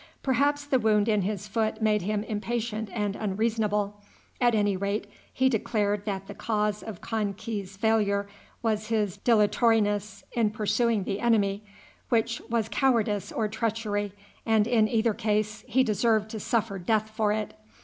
Perhaps the wound in his foot made him impatient and unreasonable. At any rate, he declared that the cause of Kan ki's failure was his dilatoriness in pursuing the enemy, which was cowardice or treachery, and, in either case, he deserved to suffer death for it.